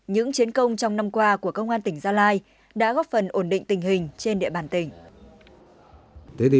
những chiến công trong năm qua của công an tỉnh gia lai đã góp phần ổn định tình hình trên địa bàn tỉnh